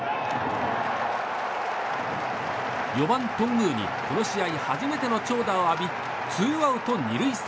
４番、頓宮にこの試合初めての長打を浴びツーアウト２塁３塁。